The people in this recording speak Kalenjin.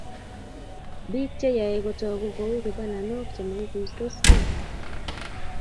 Bik che yoei kotogu kou kibananok chemaikuitoskei